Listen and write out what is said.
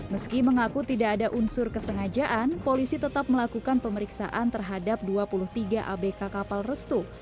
meski mengaku tidak ada unsur kesengajaan polisi tetap melakukan pemeriksaan terhadap dua puluh tiga abk kapal restu